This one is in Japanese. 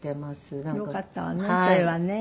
よかったわね